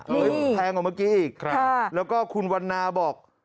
ยังแพงกว่าเมื่อกี้นี่แล้วคุณวันน่าบอก